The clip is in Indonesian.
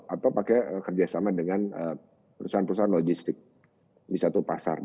atau pakai kerjasama dengan perusahaan perusahaan logistik di satu pasar